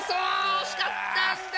惜しかったんだ。